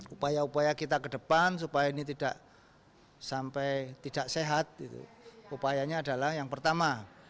upaya upaya kita ke depan supaya ini tidak sampai tidak sehat upayanya adalah yang pertama